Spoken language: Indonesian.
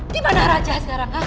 di mana raja sekarang